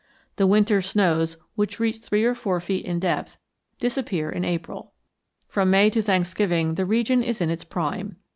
The winter snows, which reach three or four feet in depth, disappear in April. From May to Thanksgiving the region is in its prime.